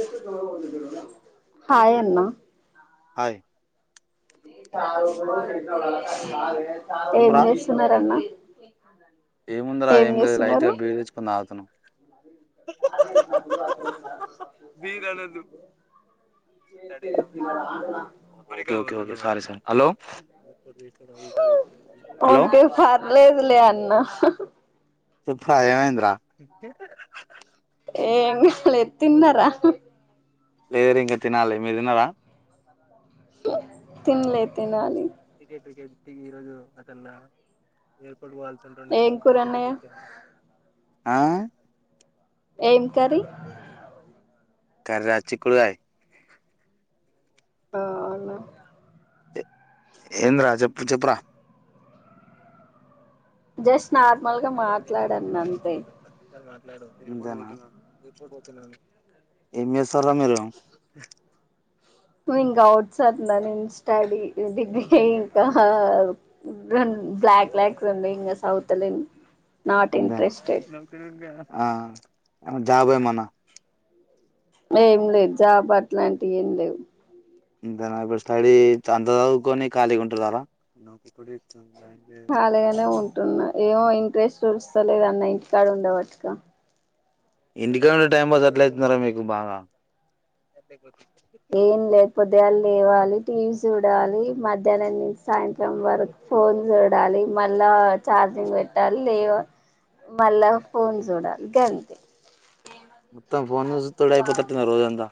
ఏసి దో వందిడలా హాయ్ అన్న హాయి ఏం చెప్పురా చేస్తున్నారు అన్నా ఏముందిరా ఏం లేదు లైట్ చేస్తున్నారు గా బీర్ తెచ్చుకొని తాగుతున్నాం okay okay okay sorry [unintelligible] sorry hello hello okay ఫార్లేదు లే అన్నా చెప్పురా ఏమైందిరా ఏం లేదు తిన్నారా లేదురా ఇంకా తినాలి మీరు తిన్నారా తినలే తినాలి టి ఇరోజ అతన్న ఏప్పుడు వాళ్తుంటుండే ఏం కూరన్నయ్య ఆ ఏం కర్రీ కర్రీ చిక్కుడుకాయి అవునా ఏంద్రా చెప్పు చెప్పురా జస్ట్ నార్మల్ గా మాట్లాడు అన్నా అంతే ఏం చేస్ తరు మీరు ను ఇంకా అవుట్ సంద నేను స్టడీ డిగ్రీ ఇంకా రెం బ్లాక్ లాక్స్ ఉన్నాయి ఇంకా సదవత లేను నాట్ అందా ఇంట్రెస్టెడ్ ఆ జాబ్ ఏమైనా ఏం లేదు జాబ్ అట్లాంటివి ఏం లేవు ఇంకా నాకు స్టడీ అంత చదువుకొని ఖాళీగా ఉంటున్నారా పలగానే ఉంటున్నా ఏమో ఇంట్రెస్ట్ చూస్తలేదన్న ఇంటికాడ ఉండవాట్టుగా ఇంటికాడ టైం పాస్ ఎట్లయితుందిరా మీకు బాగా ఏం లే పొద్దుగానే లేవాలి టీవీ చూడాలి మధ్యాహ్నం నుంచి సాయంత్రం వరకు ఫోన్ చూడాలి మళ్ళా ఛార్జింగ్ పెట్టాలి లేవ మళ్ళా ఫోన్ చూడాలి గంతే మొత్తం ఫోన్లు చూతుడే అయిపోదంట రోజంతా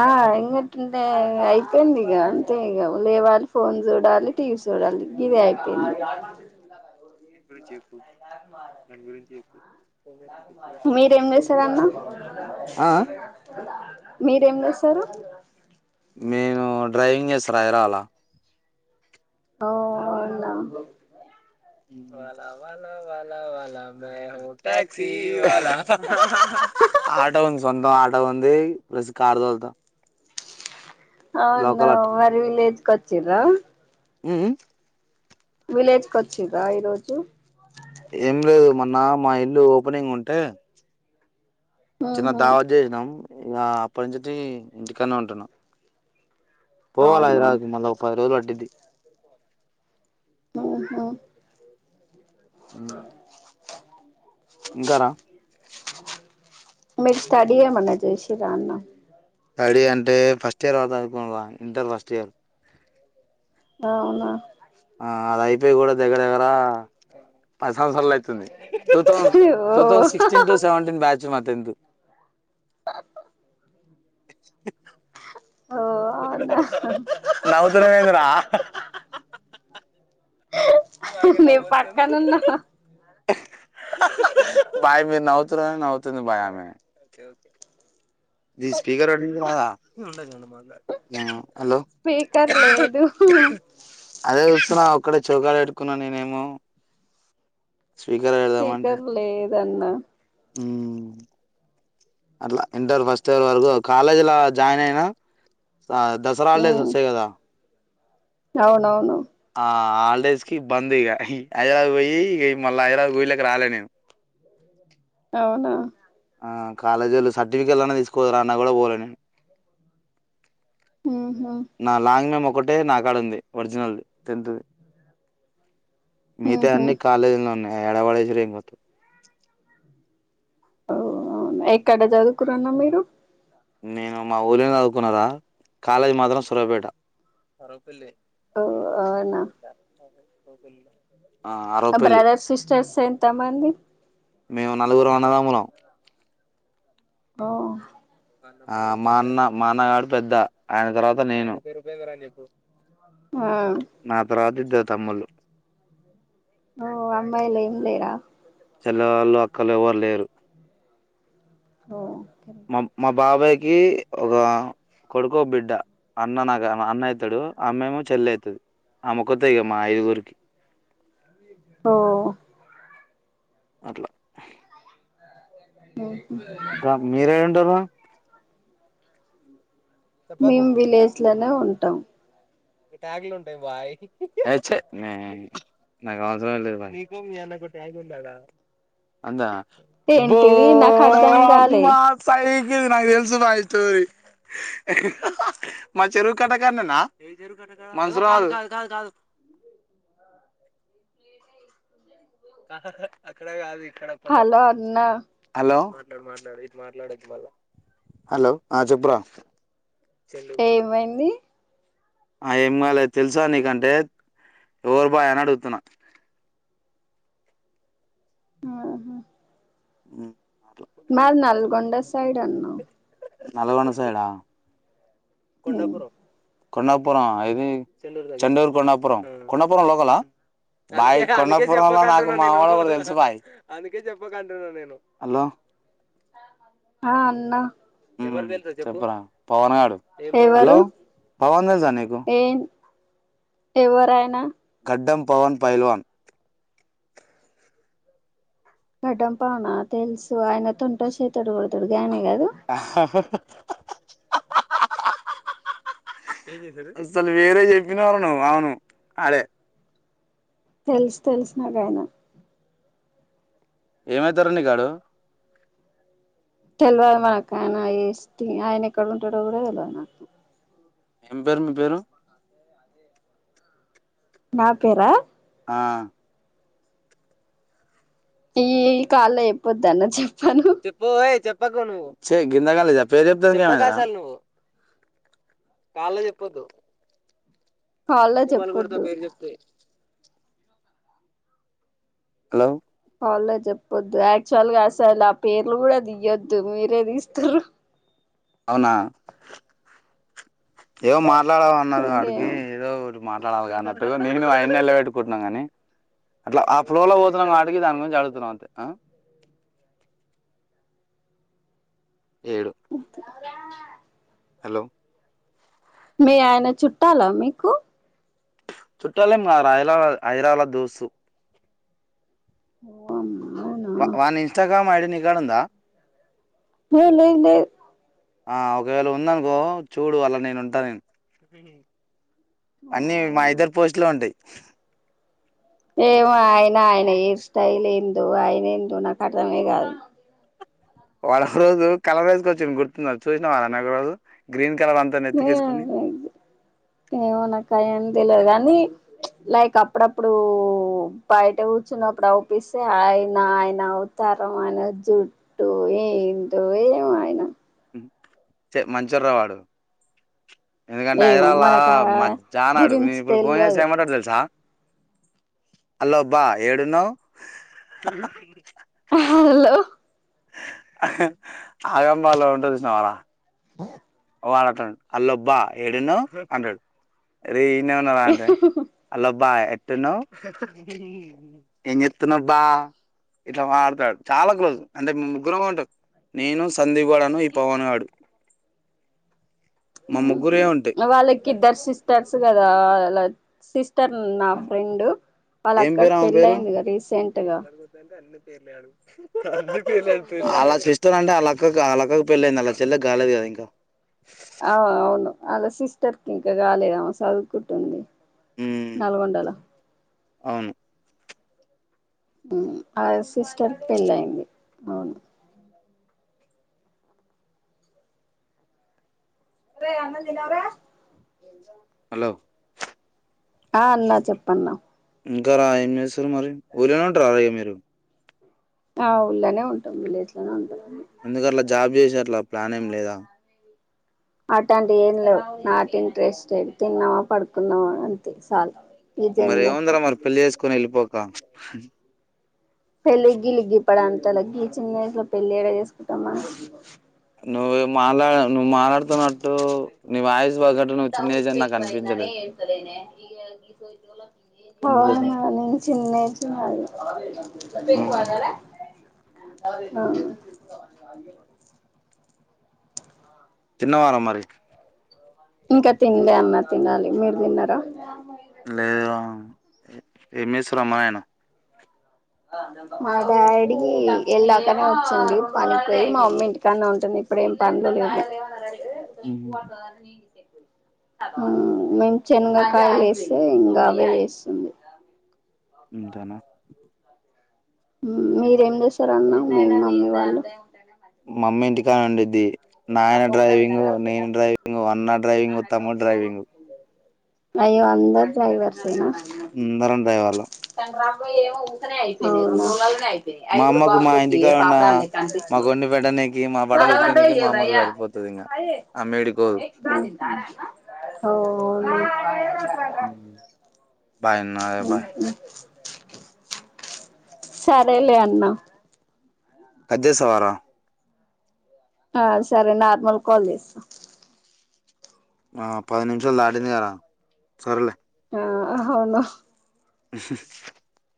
ఆ ఇట్ంటే అయిపోయింది ఇగా అంతే ఇగా లేవాలి ఫోన్ చూడాలి టీవీ చూడాలి గిదే అయిపోయింది గురించి ఎన్నాళ్ళకు మారదు చేస్తారన్న ఆ అ మీరేం చేస్తారు నేను డ్రైవింగ్ చేస్తారా హైదరాబాద్ లా ఓ అవునా వాలా వాలా వాలా వాలా మేము ట్యాక్సి వాల ఆటో ఉంది సొంతం ఆటో అ వంది ప్లస్ కారు తొలుత అవున మరి విలేజ్ చిరా హ్మ్ విలేజ్క వచ్చిదా ఈరోజు ఎం లేదు మ న్నా మా ఇల్లు ఓపెనింగ్ ఉంటే చిన్న ఆహా ధావత్ చేసినం ఇగ అప్పటి నుంచి ఇంటికనే ఉంటున్న పోవాల అవునా హైదరబాద్కి మల్ల ఒక్క రోజు పట్టుది ఓహ హ్మ్ గర మీరు స్టడి ఏమన్న చేసిర అన్న స్టడీ అంటే ఫస్ట్ ఇయర్ వాకు చదువుకున్న ఇంటర్ ఫస్ట్ ఇయర్ అవునా ఆ అది అయిపోయి కూడా దగ్గర దగ్గర పది సంవత్సరలు అవుతుంది టూ ఓ thousand sixteen two seventeen batch మా టెన్త్ ఓ అవునా నవు్తు నవేంద్ర నే పక్కనున్నా ఆ పమి నవుతు తేంది బాయామ ఇది స్పీకర్ అడిద ఉండగా ఉండి హలో స్పీకర్ లేదు అదే చూస్తున్నా ఒక్కడే చౌకాడ కొకున్నా నేనేమో స్వీకారాదమాంట దన్న అట్లా ఇంటర్ ఫస్ట్ ఇయర్ వరకు కాలేజీ జాయిన్ అయినా దసరా హాలిడేస్ ఉమ్ వస్తాయి కదా, అవునవును ఆ హాలిడేస్ కి బంద్ ఇగ హైదరాబాద్ పోయి ఇక మళ్ళీ హైదరాబాద్ మల్ల ఊళ్ళోకి రాలే నేను అవునా ఆ కాలేజీ ఒళ్ళు సర్టిఫికెట్లు అన్నా తీసుకోవరా అన్నా కూడా పోలే నేను, ఉహు నా లాంగ్ మేమో, ఒకటే నా కాడ ఉంది వర్జినల్ ది టెన్త్ ది మిగతాయి ఉహు అన్ని కాలేజీ లో ఉన్నాయి, ఎడ పడేసి రో ఎమ్ కథ తో అవు అవును ఎక్కడ చదువుకున్నారు మీరు నేను మా ఊళ్ళ చదువుకున్నారా కాలేజీ మాత్రం సూర్యాపేట ఓ అవునా కో పెళ్లిలా ఆ బ్రదర్స్ సిస్టర్స్ ఎంత మంది మేము నలుగురం అన్నదమ్ములం ఓ ఆ మా అన్న మా అన్నగాడు పెద్ద ఆయన తర్వాత నేను ఆ నా తర్వాత ఇద్దరు తమ్ములు, ఓ అమ్మాయిలు ఏం లేరా చెల్లె వాళ్ళు అక్కళ్ళ ఎవరు లేరు ఓ మా మా బాబాయ్ ఎ ఒక కొడుకో బిడ్డ అన్న నాకు అన్న అయితాడు ఆమ్మమో చెల్లి అయితది అమొ ఒక్కతే మా ఐదుగురికి ఓ అట్లా హు ఇంకా మీరే ఉంటారు మేము విలేజ్ లోనే ఉంటాం ఎ చినే నాకు అవసరం లేదు భాయ్ అంతేనా ఏంటిది నాకు అర్థం కాలే అమ్మా [unintelligible] [unintelligible] [unintelligible] హలో అన్న హలో హలో ఆ చెప్పురా [unintelligible] ఏమైంది ఆ ఏమ్ కాలే తెలుసా నీకంటే ఎవరు బాయ అని అడుగుతున్నా అహ ఉ మాద్ నల్గొండ సైడ్ అన్నా నలగొండ సైడ్ ఆ కొండాపురం కొండాపురం ఆ ఇది చెండూరు కొండాపురం, కొండాపురం లోకలా, బాయ్ కొండాపురంలో నాకు మా వాడు ఒకడు తెలుసు బాయ్ హలో. ఆ అన్నా హ్మ్ చెప్పరా పవన్ గాడు హలో ఎవరు పవన్ తెలుసా నీకు ఏం ఎవరాయనా అడ్డం పవన్ పైల్వాన్ గడ్డం పనా తెల్సు ఆయన తొంటే చేతడు కొడతాడు గానీ అసలు వేరే చెప్పినవ్ రా నువ్వు అవును ఆడే తెల్సు తెల్సు నాకాయనా ఏమైతార్ నీ కాడు తెల్ వదు మనకు ఆయన ఏస్కీ, ఆయన ఎక్కడ ఉంటాడో కూడా తెలివద్ నా. ఏం పేరు మీ పేరు నా పేరా ఆ ఈ ఈ కాల్ ల చెప్పొద్దు అన్న చెప్ చెప్పు ఓయ్ చెప్ సెయ్ గిందగాల జెప్పేద్ చెప్తది గానీ హల్లో చెప్పోదు హలో అవ్లే జేప్పదు యాక్చువల్గా అసలు ఆ పేర్లు కూడా దియొద్దు మీరే తీస్తారు. అవ్నా ఏవో మాట్లాడ అన్నార్గ అడికి ఇంకేం ఏదో ఒక్కటి మాట్లా [unintelligible] అన్నట్టు మేమేం అయన్నెళ్ల పెట్టుకుంటున్నాం కాని అట్లా ఆ ఫ్లోర్ లో పోతున్నా వాటికి దాని గురించి అడుగుతున్నాం అంతే ఆ ఏడు హలో మీ ఆయన చుట్టాలా మీకు చుట్టలేం కాదు రా హైదలబాద్ హైదరాబాద్ ల దోస్తు ఓ అమ్మా వా వాన్ ఇన్స్టాగ్రామ్ ఐ డి నీ గాడ ఉందా ఏ లే లే ఆ ఒకవేళ ఉందనుకో చూడు అలా నేను ఉంటా నేన్. అన్నీ మా అవునా ఇద్దర్ పోస్ట్ లే ఉంటాయి ఏమో ఆయన, ఆయన హయిర్ స్టైల్ ఏందో, ఆయన ఏందో నాకు అర్థమే కాదు. వాడ్ ఒకరోజు కలర్ రైజస్కి వచ్చున్ గుర్తున్నా, చూసినావ అన ఒకరోజు గ్రీన్. కలర్ అంతా నెత్తికేసుకొని ఏమో నాకు అయ్యని తెల్వదు కాని లైక్ అప్పుడప్పుడు బయట కూర్చున్నప్పుడు అపిస్తే ఆయన ఆయన అవతారం ఆయన జుట్టు ఏంట ఏం ఆయన చ మంచోడు రావడు ఎందుకంటే ఏమో హైదరాబాద్ల మనకు ఆ మధ్యహనాడు నేను గురించి ఇప్పుడు ఫోన్ చేసి తెల్వదు ఏమంటాడు తెలుసా హలో బా ఏడున్నావ్ హలో ఆగంబాలో ఉంటది చూష్ణవరా బ వాడు అంటాడు హలో బా ఎడాఉన్నావ్ అంటాడు రేయి ఇడానే ఉన్న అంటే హలో బా ఏం చేస్తునావ్ బా ఇట్లా మాట్లాడతాడు వాడు చాలా క్లోజ్ అంటే మేం ముగ్గురం ఉంటాం నేను సందీప్గడూను ఈ పవనుగాడు ఉంటాయి ఉహం వాళ్ళకి ఇద్దరు సిస్టర్స్ కదా సిస్టర్ నా ఫ్రెండు వాళ్ళ ఏం పేరు అక్కకి ఆమె పెళ్ళ అయింది కదా రీసెంట్ గా పేర్లడు అలా చేసేట్లు అంటే అలా అక్క వల్ల ఆక్కకి పెళ్ళ అయింది వాళ్ళ చెల్లకి కాలేదు కదా ఇంకా ఆ అవును అలా సిస్టర్ కి ఇంకా కాలే చదువుకుంటుంది మ్మ్ నల్గొండలో అవును ఆ సిస్టర్ పెళ్ళి అయింది అవును రే అన్నాం తినవర, తింట హలో ఆ అన్నా చెప్పన్నా ఇంకా రా ఏం చేస్తారు మరి ఊర్లనే ఉంటార్రార ఇగ మీరు ఆ ఊళ్ళనే ఉంటాం విలేజ్ లోనే ఉంటాం ఎందుకు అట్లా జాబ్ చేసి ఆట్లా ప్లాన్ ఏం లేదా అతంతీయి ఏం లేవు నాట్ ఇంట్రెస్టెడ్ తిన్నామా పడుకున్నామా అంతే శాల మరీ ఏమందిర మరి పెళ్లి చేసుకని వెళ్ళిపో కా వెలిగిలిగి వడ అంత లేదు గి చిన్న ఏజ్ల పెళ్ళి ఎడ చేసుకుంటాం మనం నువ్వు ఎం మాలా నువ్వు మాట్లాడుతున్నట్టు నీ వాయసు ఒకటి నువ్వు చిన్నజ అని నాకు అనిపించలేదు ఇ సోచతేలా [inaudible] అందుకోసం అవును నాని చిన్న ఏజ్ [unintelligible] [unintelligible] [inaudible] తిన్నవారా మరి ఇంకా తిన్లే అన్న తినాలి మీరు తిన్నారా లేదు ఏం చేస్తున్రు అమ్మ గిన మా డాడీ ఏళ్ళాకనే వచ్చిండు పనికిపోయి మా మమ్మీ ఇంటికాన్నే ఉంటుంది ఇప్పుడేం పన్లు లెవ్వు [unintelligible] మేము చెంగకాయిలేస్తే ఇంగా అవే చేస్తుంది అంతేనా మీరేం చేస్తారన్న మీ మమ్మీ వాళ్ళు మా అమ్మ ఇంటికడుండిది నాయన డ్రైవింగ్ నేను డ్రైవింగ్ అన్న డ్రైవింగ్ తముడు డ్రైవింగ్ అయ్యో అందరూ డ్రైవర్స్సే నా అందరం డ్రైవర్లం ఓహో మా అమ్మకు మా ఇంటికాడ ఉన్న మాకు వండి పెట్టనీకి మా బట్టలు ఉతకనీకి మా అమ్మకు సరిపోతది ఇంగ ఆమె ఏడికిపోదు ఓ బయ్యనా బాయ్ సరేలే అన్నా కట్చేస్తావారా ఆ సరే నార్మల్ కల్ చేసా ఆ పది నిమిషాలు దాటింది గదా సరేలే ఆ అవును హుహు